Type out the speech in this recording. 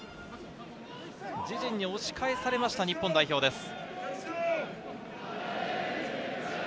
自陣に押し返されました日本代表です。